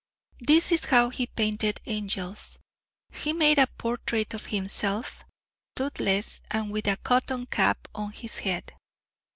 This is how he painted angels: He made a portrait of himself, toothless and with a cotton cap on his head.